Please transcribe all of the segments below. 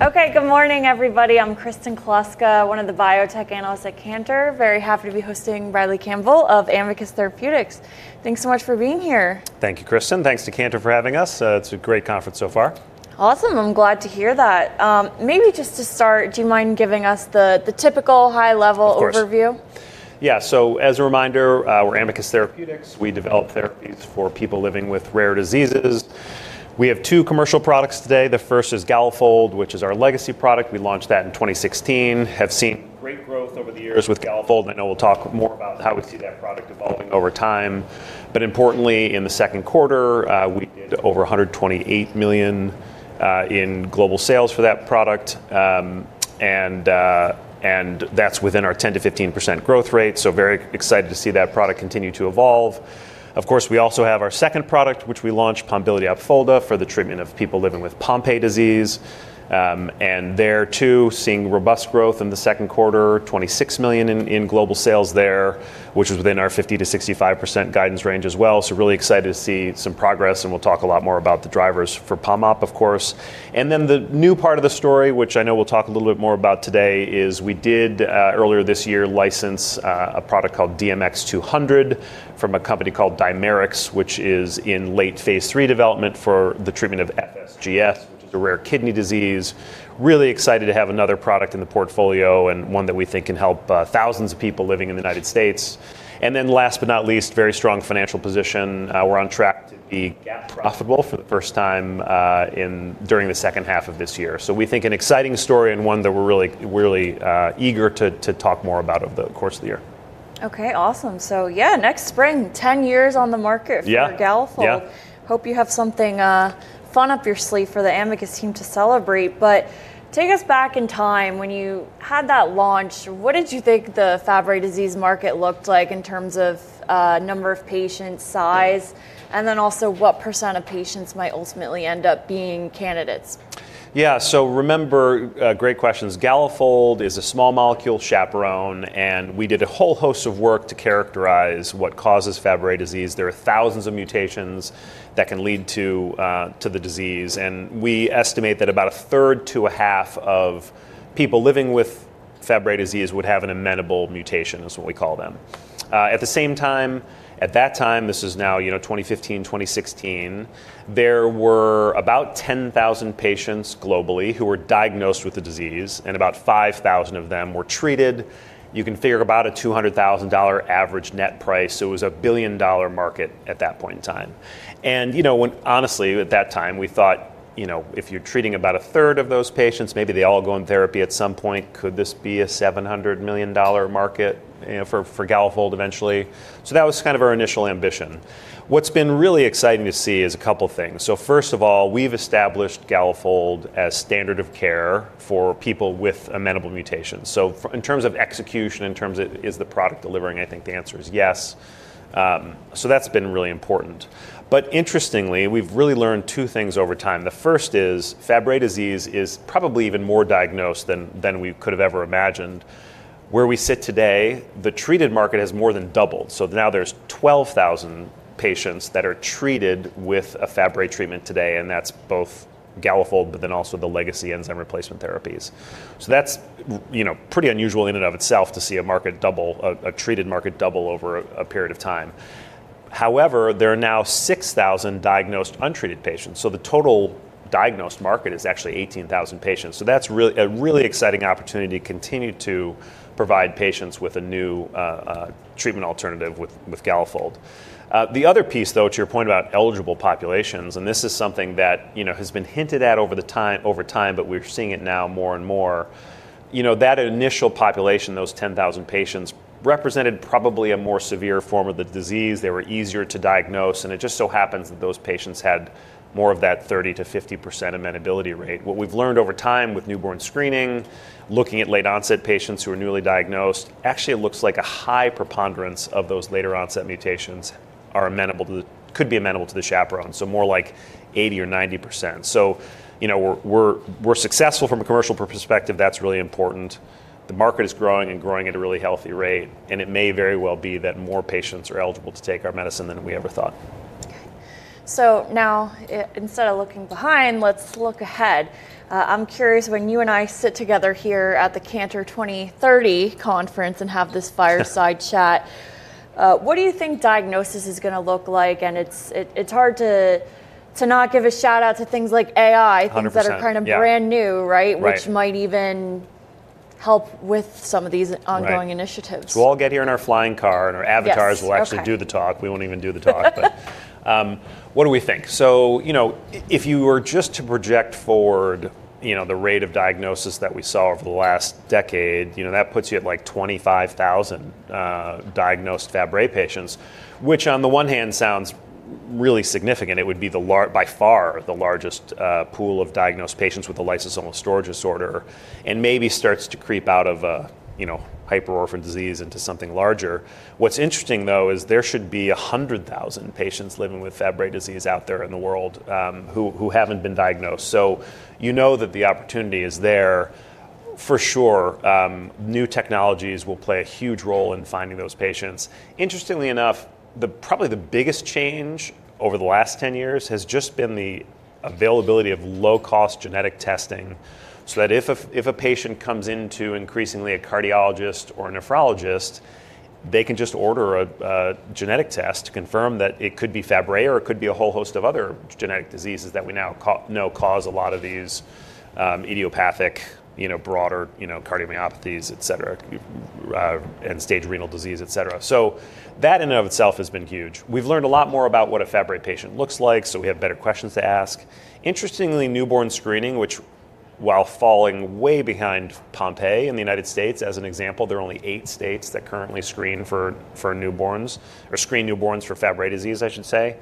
Ready. Okay, good morning, everybody. I'm Kristen Kluska, one of the biotech analysts at Cantor. Very happy to be hosting Bradley Campbell of Amicus Therapeutics. Thanks so much for being here. Thank you, Kristen. Thanks to Cantor for having us. It's a great conference so far. Awesome. I'm glad to hear that. Maybe just to start, do you mind giving us the typical high-level overview? Yeah. So, as a reminder, we're Amicus Therapeutics. We develop therapies for people living with rare diseases. We have two commercial products today. The first is Galafold, which is our legacy product. We launched that in 2016, have seen great growth over the years with Galafold. And I know we'll talk more about how we see that product evolving over time. But importantly, in the second quarter, we did over $128 million in global sales for that product. And that's within our 10%-15% growth rate. So, very excited to see that product continue to evolve. Of course, we also have our second product, which we launched, Pombiliti Opfolda, for the treatment of people living with Pompe disease. And there, too, seeing robust growth in the second quarter, $26 million in global sales there, which is within our 50%-65% guidance range as well. So, really excited to see some progress. And we'll talk a lot more about the drivers for Pompe, of course. And then the new part of the story, which I know we'll talk a little bit more about today, is we did, earlier this year, license a product called DMX-200 from a company called Dimerix, which is in late phase III development for the treatment of FSGS, which is a rare kidney disease. Really excited to have another product in the portfolio and one that we think can help thousands of people living in the United States. And then last but not least, very strong financial position. We're on track to be GAAP profitable for the first time during the second half of this year. So, we think an exciting story and one that we're really eager to talk more about over the course of the year. Okay, awesome. So, yeah, next spring, 10 years on the market for Galafold. Yeah. Hope you have something fun up your sleeve for the Amicus team to celebrate. But take us back in time when you had that launch. What did you think the Fabry disease market looked like in terms of number of patients, size, and then also what percent of patients might ultimately end up being candidates? Yeah. So, remember, great questions. Galafold is a small molecule chaperone. And we did a whole host of work to characterize what causes Fabry disease. There are thousands of mutations that can lead to the disease. And we estimate that about a third to a half of people living with Fabry disease would have an amenable mutation, is what we call them. At the same time, at that time, this is now 2015, 2016, there were about 10,000 patients globally who were diagnosed with the disease, and about 5,000 of them were treated. You can figure about a $200,000 average net price. So, it was a billion-dollar market at that point in time. And honestly, at that time, we thought, if you're treating about a third of those patients, maybe they all go in therapy at some point, could this be a $700 million market for Galafold eventually? So, that was kind of our initial ambition. What's been really exciting to see is a couple of things. So, first of all, we've established Galafold as standard of care for people with amenable mutations. So, in terms of execution, in terms of is the product delivering, I think the answer is yes. So, that's been really important. But interestingly, we've really learned two things over time. The first is Fabry disease is probably even more diagnosed than we could have ever imagined. Where we sit today, the treated market has more than doubled. So, now there's 12,000 patients that are treated with a Fabry treatment today. And that's both Galafold, but then also the legacy enzyme replacement therapies. So, that's pretty unusual in and of itself to see a market double, a treated market double over a period of time. However, there are now 6,000 diagnosed untreated patients. The total diagnosed market is actually 18,000 patients. That's a really exciting opportunity to continue to provide patients with a new treatment alternative with Galafold. The other piece, though, to your point about eligible populations, and this is something that has been hinted at over time, but we're seeing it now more and more. That initial population, those 10,000 patients, represented probably a more severe form of the disease. They were easier to diagnose. It just so happens that those patients had more of that 30%-50% amenability rate. What we've learned over time with newborn screening, looking at late-onset patients who are newly diagnosed, actually it looks like a high preponderance of those later-onset mutations could be amenable to the chaperone. More like 80% or 90%. We're successful from a commercial perspective. That's really important. The market is growing and growing at a really healthy rate. And it may very well be that more patients are eligible to take our medicine than we ever thought. Okay, so now, instead of looking behind, let's look ahead. I'm curious, when you and I sit together here at the Cantor 2030 conference and have this fireside chat, what do you think diagnosis is going to look like? And it's hard to not give a shout-out to things like AI that are kind of brand new, right, which might even help with some of these ongoing initiatives. So, we'll all get here in our flying car, and our avatars will actually do the talk. We won't even do the talk. But what do we think? So, if you were just to project forward the rate of diagnosis that we saw over the last decade, that puts you at like 25,000 diagnosed Fabry patients, which on the one hand sounds really significant. It would be by far the largest pool of diagnosed patients with a lysosomal storage disorder and maybe starts to creep out of a hyperorphan disease into something larger. What's interesting, though, is there should be 100,000 patients living with Fabry disease out there in the world who haven't been diagnosed. So, you know that the opportunity is there. For sure, new technologies will play a huge role in finding those patients. Interestingly enough, probably the biggest change over the last 10 years has just been the availability of low-cost genetic testing. So, that if a patient comes into increasingly a cardiologist or a nephrologist, they can just order a genetic test to confirm that it could be Fabry, or it could be a whole host of other genetic diseases that we now know cause a lot of these idiopathic, broader cardiomyopathies, et cetera, and end-stage renal disease, et cetera. So, that in and of itself has been huge. We've learned a lot more about what a Fabry patient looks like. So, we have better questions to ask. Interestingly, newborn screening, which, while falling way behind Pompe in the United States, as an example, there are only eight states that currently screen for newborns or screen newborns for Fabry disease, I should say.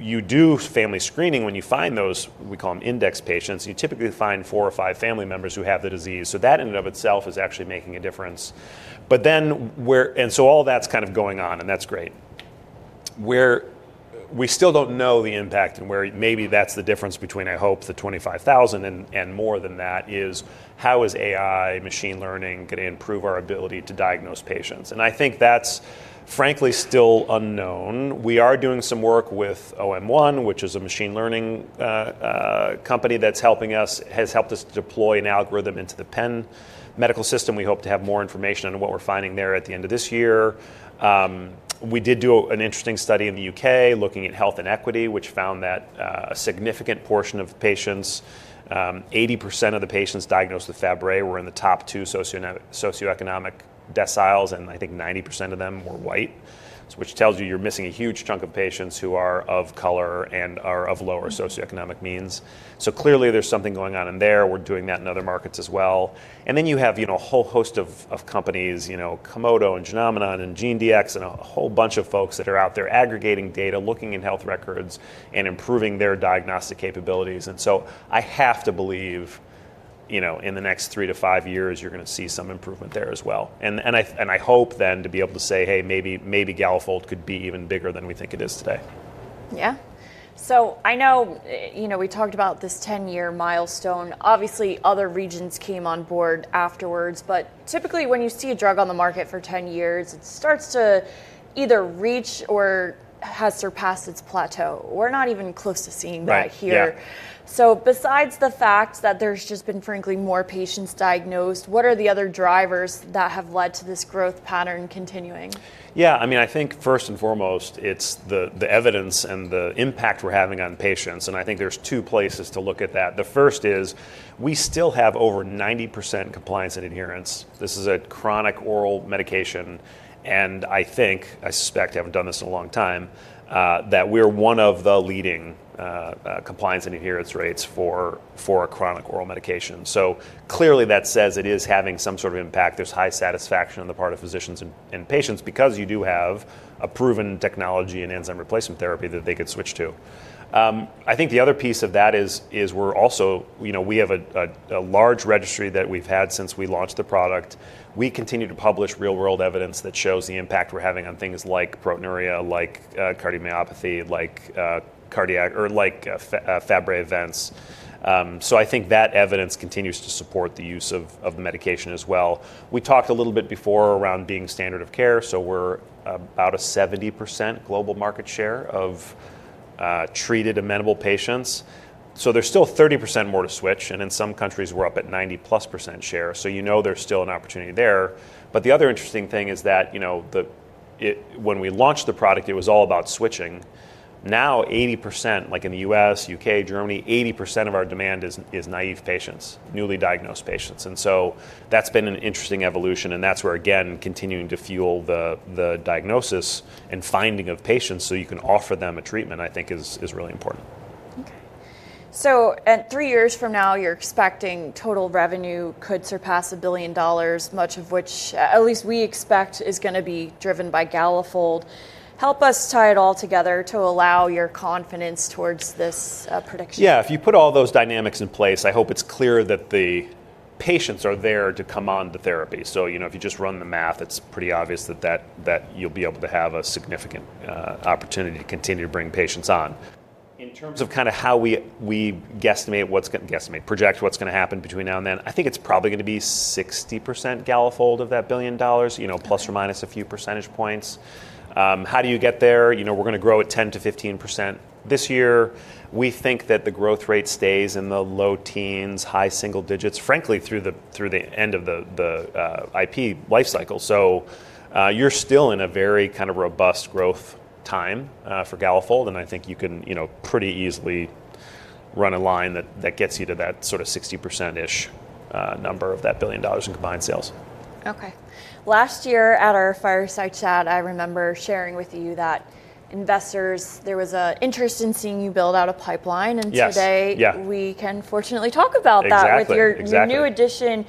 You do family screening when you find those, we call them index patients. You typically find four or five family members who have the disease, so that in and of itself is actually making a difference, and so all that's kind of going on, and that's great. Where we still don't know the impact, and where maybe that's the difference between, I hope, the 25,000 and more than that, is how is AI, machine learning, going to improve our ability to diagnose patients, and I think that's, frankly, still unknown. We are doing some work with OM1, which is a machine learning company that's helping us, has helped us deploy an algorithm into the Penn Medical System. We hope to have more information on what we're finding there at the end of this year. We did do an interesting study in the U.K. looking at health inequity, which found that a significant portion of patients, 80% of the patients diagnosed with Fabry, were in the top two socioeconomic deciles, and I think 90% of them were white, which tells you you're missing a huge chunk of patients who are of color and are of lower socioeconomic means, so clearly, there's something going on in there. We're doing that in other markets as well, and then you have a whole host of companies, Komodo and Genomenon and GeneDx and a whole bunch of folks that are out there aggregating data, looking in health records and improving their diagnostic capabilities, and so I have to believe in the next three to five years, you're going to see some improvement there as well. I hope then to be able to say, hey, maybe Galafold could be even bigger than we think it is today. Yeah. So, I know we talked about this 10-year milestone. Obviously, other regions came on board afterwards. But typically, when you see a drug on the market for 10 years, it starts to either reach or has surpassed its plateau. We're not even close to seeing that here. So, besides the fact that there's just been, frankly, more patients diagnosed, what are the other drivers that have led to this growth pattern continuing? Yeah. I mean, I think first and foremost, it's the evidence and the impact we're having on patients. And I think there's two places to look at that. The first is we still have over 90% compliance and adherence. This is a chronic oral medication. And I think, I suspect, haven't done this in a long time, that we're one of the leading compliance and adherence rates for a chronic oral medication. So, clearly, that says it is having some sort of impact. There's high satisfaction on the part of physicians and patients because you do have a proven technology in enzyme replacement therapy that they could switch to. I think the other piece of that is we're also, we have a large registry that we've had since we launched the product. We continue to publish real-world evidence that shows the impact we're having on things like proteinuria, like cardiomyopathy, like Fabry events. So, I think that evidence continues to support the use of the medication as well. We talked a little bit before around being standard of care. So, we're about a 70% global market share of treated amenable patients. So, there's still 30% more to switch. And in some countries, we're up at 90-plus% share. So, you know there's still an opportunity there. But the other interesting thing is that when we launched the product, it was all about switching. Now, 80%, like in the U.S., U.K., Germany, 80% of our demand is naive patients, newly diagnosed patients. And so, that's been an interesting evolution. That's where, again, continuing to fuel the diagnosis and finding of patients so you can offer them a treatment, I think, is really important. Three years from now, you're expecting total revenue could surpass $1 billion, much of which, at least we expect, is going to be driven by Galafold. Help us tie it all together to allow your confidence towards this prediction. Yeah. If you put all those dynamics in place, I hope it's clear that the patients are there to come on the therapy. So, if you just run the math, it's pretty obvious that you'll be able to have a significant opportunity to continue to bring patients on. In terms of kind of how we guesstimate, project what's going to happen between now and then, I think it's probably going to be 60% Galafold of that $1 billion, plus or minus a few percentage points. How do you get there? We're going to grow at 10%-15% this year. We think that the growth rate stays in the low teens, high single digits, frankly, through the end of the IP lifecycle. So, you're still in a very kind of robust growth time for Galafold. I think you can pretty easily run a line that gets you to that sort of 60%-ish number of that $1 billion in combined sales. Okay. Last year at our fireside chat, I remember sharing with you that investors, there was an interest in seeing you build out a pipeline, and today, we can fortunately talk about that with your new addition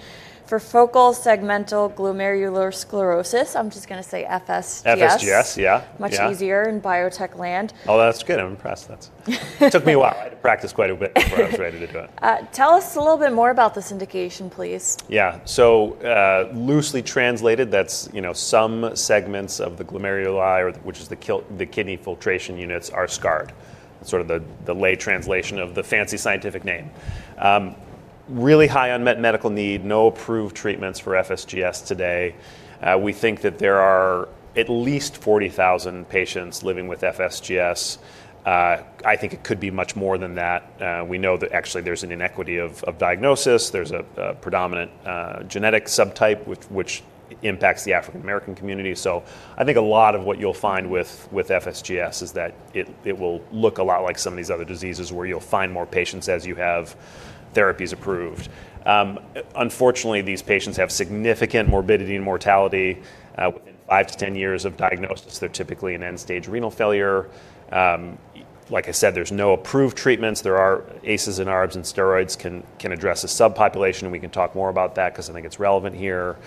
for Focal Segmental Glomerular Sclerosis. I'm just going to say FSGS. FSGS, yeah. Much easier in biotech land. Oh, that's good. I'm impressed. It took me a while. I had to practice quite a bit before I was ready to do it. Tell us a little bit more about this indication, please. Yeah. So, loosely translated, that's some segments of the glomeruli, which is the kidney filtration units, are scarred. That's sort of the lay translation of the fancy scientific name. Really high unmet medical need, no approved treatments for FSGS today. We think that there are at least 40,000 patients living with FSGS. I think it could be much more than that. We know that actually there's an inequity of diagnosis. There's a predominant genetic subtype, which impacts the African-American community. So, I think a lot of what you'll find with FSGS is that it will look a lot like some of these other diseases where you'll find more patients as you have therapies approved. Unfortunately, these patients have significant morbidity and mortality within five to 10 years of diagnosis. They're typically in end-stage renal failure. Like I said, there's no approved treatments. There are ACEis and ARBs and steroids can address a subpopulation. We can talk more about that because I think it's relevant here,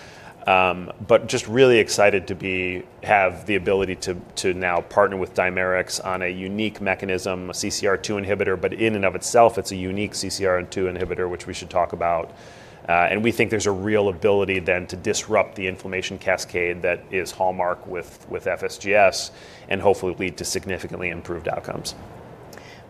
but just really excited to have the ability to now partner with Dimerix on a unique mechanism, a CCR2 inhibitor, but in and of itself, it's a unique CCR2 inhibitor, which we should talk about. And we think there's a real ability then to disrupt the inflammation cascade that is hallmark with FSGS and hopefully lead to significantly improved outcomes.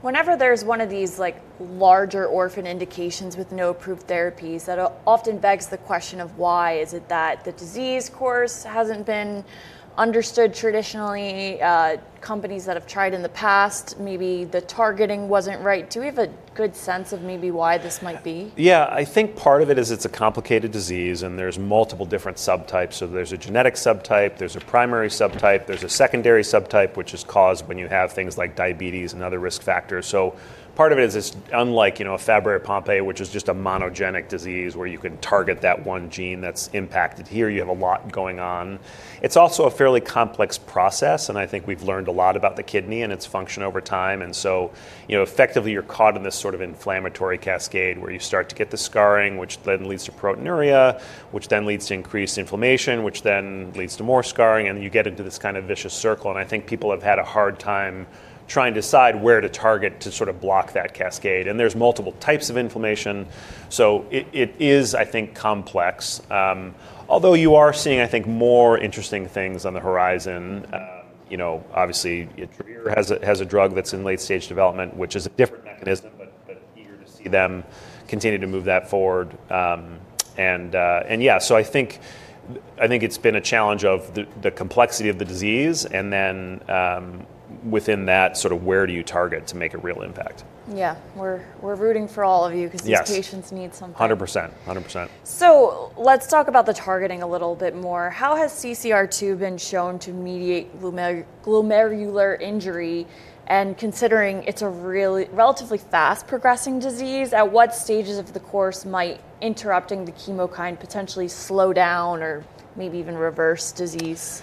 Whenever there's one of these larger orphan indications with no approved therapies, that often begs the question of why. Is it that the disease course hasn't been understood traditionally? Companies that have tried in the past, maybe the targeting wasn't right. Do we have a good sense of maybe why this might be? Yeah. I think part of it is it's a complicated disease. And there's multiple different subtypes. So, there's a genetic subtype. There's a primary subtype. There's a secondary subtype, which is caused when you have things like diabetes and other risk factors. So, part of it is it's unlike a Fabry or Pompe, which is just a monogenic disease where you can target that one gene that's impacted. Here, you have a lot going on. It's also a fairly complex process. And I think we've learned a lot about the kidney and its function over time. And so, effectively, you're caught in this sort of inflammatory cascade where you start to get the scarring, which then leads to proteinuria, which then leads to increased inflammation, which then leads to more scarring. And you get into this kind of vicious circle. I think people have had a hard time trying to decide where to target to sort of block that cascade. There's multiple types of inflammation. So, it is, I think, complex. Although you are seeing, I think, more interesting things on the horizon. Obviously, Travere has a drug that's in late-stage development, which is a different mechanism, but eager to see them continue to move that forward. Yeah, so I think it's been a challenge of the complexity of the disease and then within that, sort of where do you target to make a real impact? Yeah. We're rooting for all of you because these patients need something. 100%. 100%. Let's talk about the targeting a little bit more. How has CCR2 been shown to mediate glomerular injury? Considering it's a relatively fast-progressing disease, at what stages of the course might interrupting the chemokine potentially slow down or maybe even reverse disease?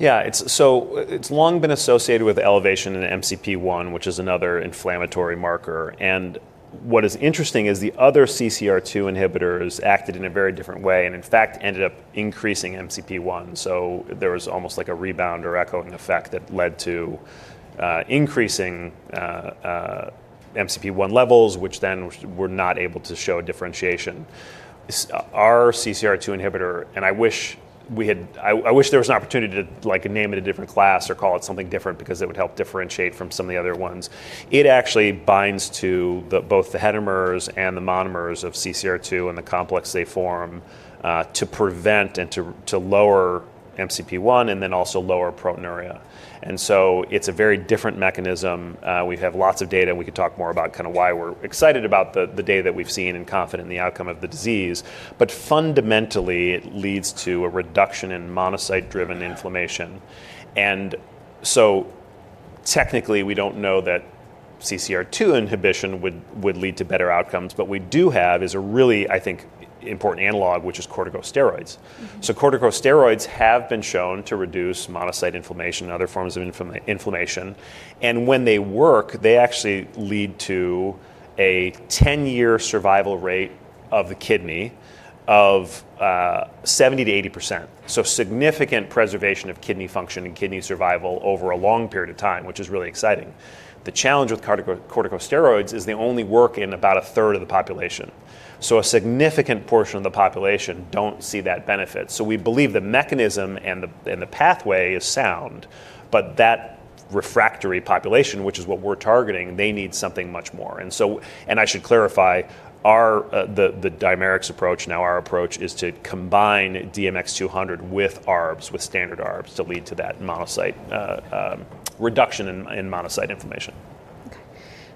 Yeah. So, it's long been associated with elevation in MCP-1, which is another inflammatory marker. And what is interesting is the other CCR2 inhibitors acted in a very different way and, in fact, ended up increasing MCP-1. So, there was almost like a rebound or echoing effect that led to increasing MCP-1 levels, which then were not able to show differentiation. Our CCR2 inhibitor, and I wish there was an opportunity to name it a different class or call it something different because it would help differentiate from some of the other ones. It actually binds to both the heteromers and the monomers of CCR2 and the complex they form to prevent and to lower MCP-1 and then also lower proteinuria. And so, it's a very different mechanism. We have lots of data. We could talk more about kind of why we're excited about the data that we've seen and confident in the outcome of the disease. But fundamentally, it leads to a reduction in monocyte-driven inflammation. And so, technically, we don't know that CCR2 inhibition would lead to better outcomes. But what we do have is a really, I think, important analog, which is corticosteroids. So, corticosteroids have been shown to reduce monocyte inflammation and other forms of inflammation. And when they work, they actually lead to a 10-year survival rate of the kidney of 70%-80%. So, significant preservation of kidney function and kidney survival over a long period of time, which is really exciting. The challenge with corticosteroids is they only work in about a third of the population. So, a significant portion of the population don't see that benefit. We believe the mechanism and the pathway is sound. That refractory population, which is what we're targeting, they need something much more. I should clarify, the Dimerix approach, now our approach, is to combine DMX-200 with ARBs, with standard ARBs, to lead to that monocyte reduction in monocyte inflammation.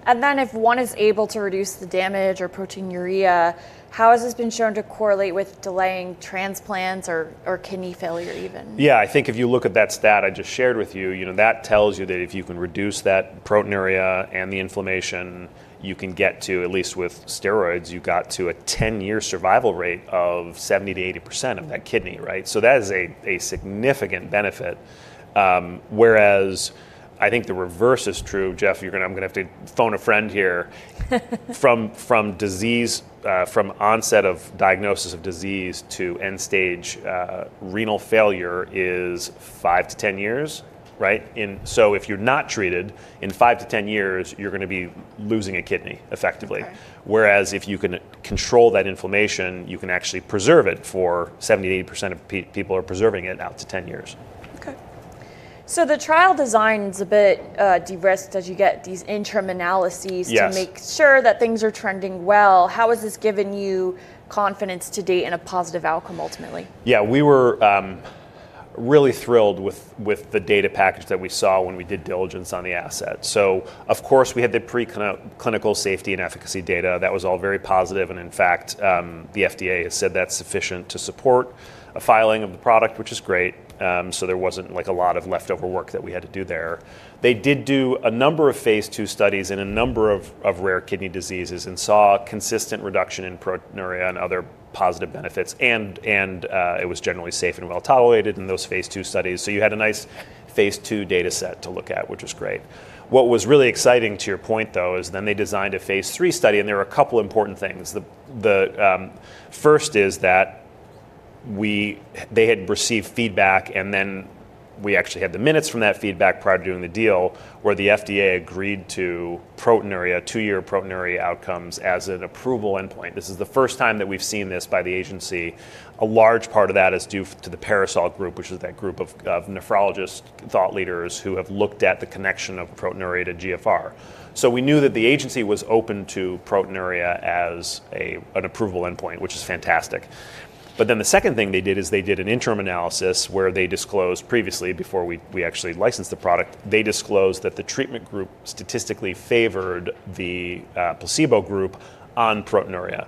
Okay, and then if one is able to reduce the damage or proteinuria, how has this been shown to correlate with delaying transplants or kidney failure even? Yeah. I think if you look at that stat I just shared with you, that tells you that if you can reduce that proteinuria and the inflammation, you can get to, at least with steroids, you got to a 10-year survival rate of 70%-80% of that kidney. Right? So, that is a significant benefit. Whereas I think the reverse is true. Jeff, I'm going to have to phone a friend here. From onset of diagnosis of disease to end-stage renal failure is 5 to 10 years. Right? So, if you're not treated, in 5 to 10 years, you're going to be losing a kidney, effectively. Whereas if you can control that inflammation, you can actually preserve it for 70%-80% of people are preserving it out to 10 years. Okay. So, the trial design is a bit de-risked as you get these interim analyses to make sure that things are trending well. How has this given you confidence to date and a positive outcome ultimately? Yeah. We were really thrilled with the data package that we saw when we did diligence on the asset. So, of course, we had the preclinical safety and efficacy data. That was all very positive. And in fact, the FDA has said that's sufficient to support a filing of the product, which is great. So, there wasn't a lot of leftover work that we had to do there. They did do a number of phase II studies in a number of rare kidney diseases and saw consistent reduction in proteinuria and other positive benefits. And it was generally safe and well tolerated in those phase II studies. So, you had a nice phase II data set to look at, which was great. What was really exciting to your point, though, is then they designed a phase III study. And there were a couple of important things. The first is that they had received feedback, and then we actually had the minutes from that feedback prior to doing the deal where the FDA agreed to two-year proteinuria outcomes as an approval endpoint. This is the first time that we've seen this by the agency. A large part of that is due to the PARASOL group, which is that group of nephrologists, thought leaders who have looked at the connection of proteinuria to GFR, so we knew that the agency was open to proteinuria as an approval endpoint, which is fantastic. But then the second thing they did is they did an interim analysis where they disclosed previously, before we actually licensed the product, they disclosed that the treatment group statistically favored the placebo group on proteinuria.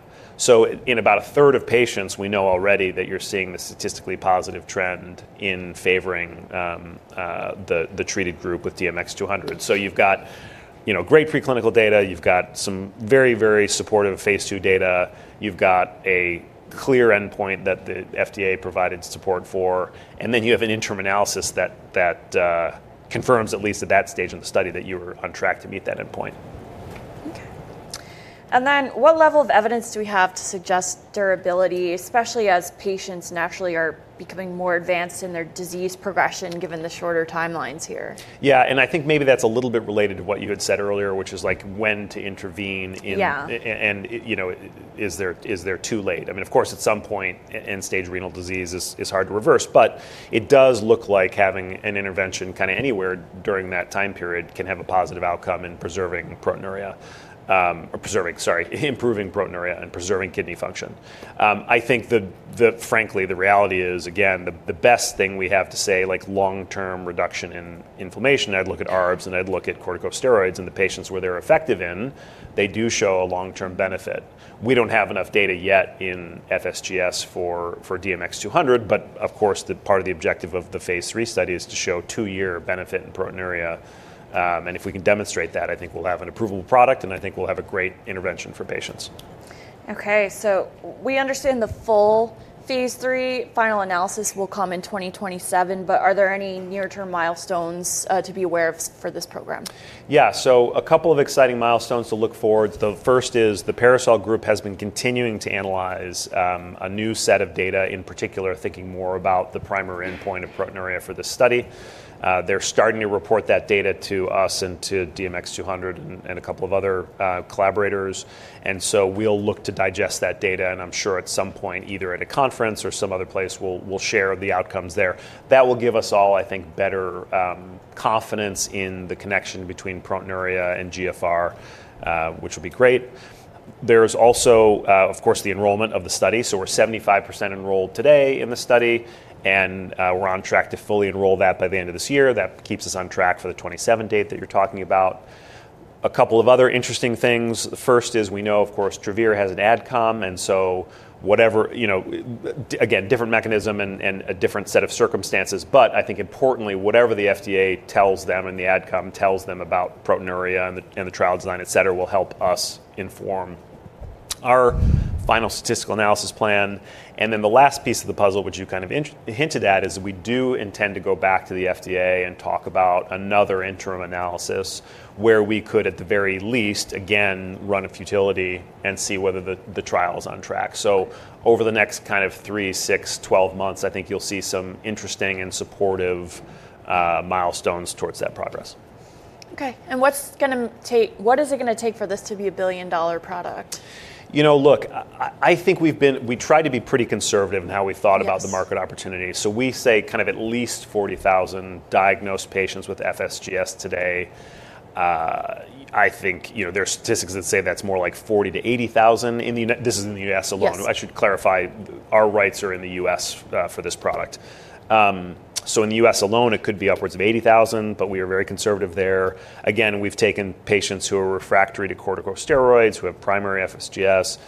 In about a third of patients, we know already that you're seeing the statistically positive trend in favoring the treated group with DMX-200. You've got great preclinical data. You've got some very, very supportive phase II data. You've got a clear endpoint that the FDA provided support for. Then you have an interim analysis that confirms at least at that stage in the study that you were on track to meet that endpoint. Okay, and then what level of evidence do we have to suggest durability, especially as patients naturally are becoming more advanced in their disease progression given the shorter timelines here? Yeah. And I think maybe that's a little bit related to what you had said earlier, which is like when to intervene and is there too late. I mean, of course, at some point, end-stage renal disease is hard to reverse. But it does look like having an intervention kind of anywhere during that time period can have a positive outcome in preserving proteinuria or improving proteinuria and preserving kidney function. I think, frankly, the reality is, again, the best thing we have to say, like long-term reduction in inflammation, I'd look at ARBs and I'd look at corticosteroids and the patients where they're effective in, they do show a long-term benefit. We don't have enough data yet in FSGS for DMX-200. But of course, part of the objective of the phase III study is to show two-year benefit in proteinuria. If we can demonstrate that, I think we'll have an approval product. I think we'll have a great intervention for patients. Okay. So, we understand the full phase III final analysis will come in 2027. But are there any near-term milestones to be aware of for this program? Yeah. A couple of exciting milestones to look forward. The first is the PARASOL group has been continuing to analyze a new set of data, in particular thinking more about the primary endpoint of proteinuria for this study. They're starting to report that data to us and to DMX-200 and a couple of other collaborators. We'll look to digest that data. I'm sure at some point, either at a conference or some other place, we'll share the outcomes there. That will give us all, I think, better confidence in the connection between proteinuria and GFR, which will be great. There is also, of course, the enrollment of the study. We're 75% enrolled today in the study. We're on track to fully enroll that by the end of this year. That keeps us on track for the 27 date that you're talking about. A couple of other interesting things. The first is we know, of course, Travere has an AdCom. And so, again, different mechanism and a different set of circumstances. But I think importantly, whatever the FDA tells them and the AdCom tells them about proteinuria and the trial design, et cetera, et cetera, will help us inform our final statistical analysis plan. And then the last piece of the puzzle, which you kind of hinted at, is we do intend to go back to the FDA and talk about another interim analysis where we could, at the very least, again, run a futility and see whether the trial is on track. So, over the next kind of three, six, 12 months, I think you'll see some interesting and supportive milestones towards that progress. Okay. And what is it going to take for this to be a billion-dollar product? You know, look, I think we tried to be pretty conservative in how we thought about the market opportunity. So, we say kind of at least 40,000 diagnosed patients with FSGS today. I think there are statistics that say that's more like 40,000-80,000. This is in the U.S. alone. I should clarify, our rights are in the U.S. for this product. So, in the U.S. alone, it could be upwards of 80,000. But we are very conservative there. Again, we've taken patients who are refractory to corticosteroids, who have primary FSGS.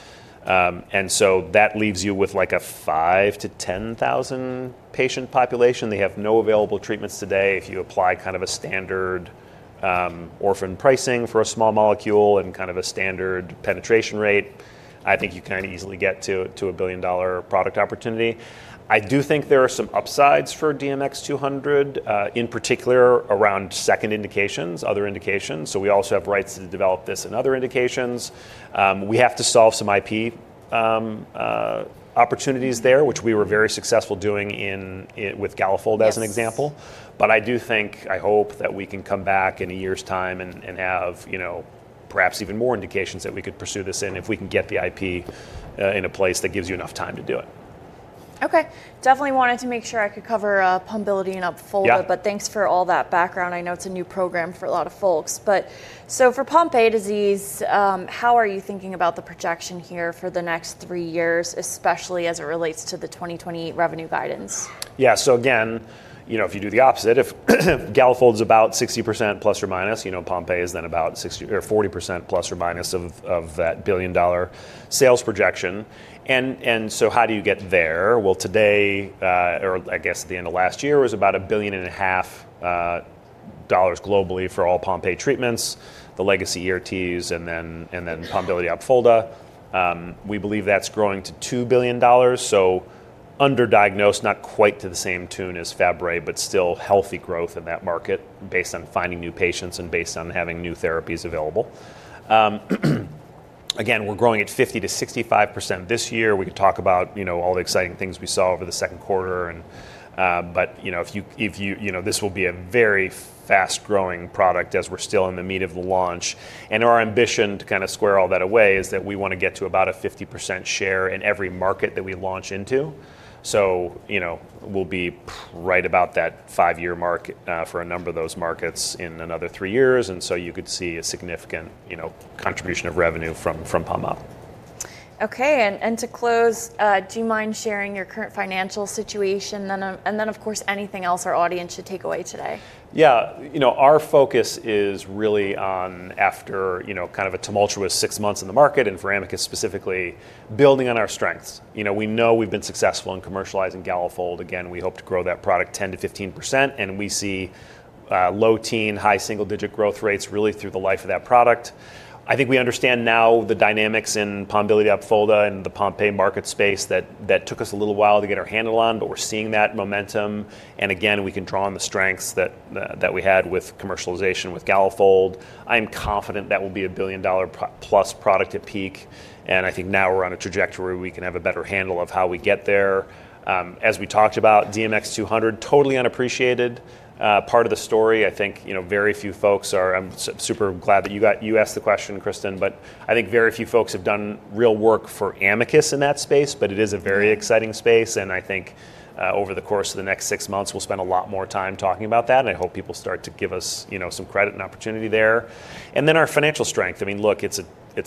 And so, that leaves you with like a 5,000-10,000 patient population. They have no available treatments today. If you apply kind of a standard orphan pricing for a small molecule and kind of a standard penetration rate, I think you can easily get to a billion-dollar product opportunity. I do think there are some upsides for DMX-200, in particular around second indications, other indications. So, we also have rights to develop this in other indications. We have to solve some IP opportunities there, which we were very successful doing with Galafold as an example. But I do think, I hope that we can come back in a year's time and have perhaps even more indications that we could pursue this in if we can get the IP in a place that gives you enough time to do it. Okay. Definitely wanted to make sure I could cover Pombiliti and Opfolda. But thanks for all that background. I know it's a new program for a lot of folks. But so, for Pompe disease, how are you thinking about the projection here for the next three years, especially as it relates to the 2020 revenue guidance? Yeah. So, again, if you do the opposite, if Galafold's about 60% plus or minus, Pompe is then about 40% plus or minus of that billion-dollar sales projection. And so, how do you get there? Well, today, or I guess at the end of last year, it was about $1.5 billion globally for all Pompe treatments, the legacy ERTs, and then Pombiliti, Opfolda. We believe that's growing to $2 billion. So, underdiagnosed, not quite to the same tune as Fabry, but still healthy growth in that market based on finding new patients and based on having new therapies available. Again, we're growing at 50%-65% this year. We could talk about all the exciting things we saw over the second quarter. But this will be a very fast-growing product as we're still in the meat of the launch. Our ambition to kind of square all that away is that we want to get to about a 50% share in every market that we launch into. We'll be right about that five-year mark for a number of those markets in another three years. You could see a significant contribution of revenue from Pompe. Okay. And to close, do you mind sharing your current financial situation and then, of course, anything else our audience should take away today? Yeah. Our focus is really on after kind of a tumultuous six months in the market and for Amicus specifically, building on our strengths. We know we've been successful in commercializing Galafold. Again, we hope to grow that product 10%-15%. And we see low teen, high single-digit growth rates really through the life of that product. I think we understand now the dynamics in Pombiliti, Opfolda, and the Pompe market space that took us a little while to get our handle on. But we're seeing that momentum. And again, we can draw on the strengths that we had with commercialization with Galafold. I'm confident that will be a billion-dollar-plus product at peak. And I think now we're on a trajectory where we can have a better handle of how we get there. As we talked about, DMX-200, totally unappreciated part of the story. I'm super glad that you asked the question, Kristen. But I think very few folks have done real work for Amicus in that space. But it is a very exciting space. And I think over the course of the next six months, we'll spend a lot more time talking about that. And I hope people start to give us some credit and opportunity there. And then our financial strength. I mean, look, it's a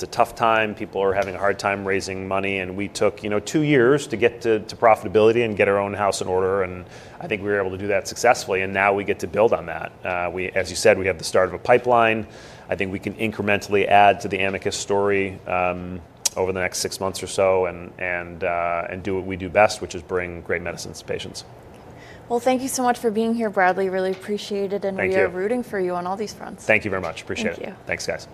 tough time. People are having a hard time raising money. And we took two years to get to profitability and get our own house in order. And I think we were able to do that successfully. And now we get to build on that. As you said, we have the start of a pipeline. I think we can incrementally add to the Amicus story over the next six months or so and do what we do best, which is bring great medicines to patients. Thank you so much for being here, Bradley. Really appreciate it. Thank you. We are rooting for you on all these fronts. Thank you very much. Appreciate it. Thank you. Thanks, guys.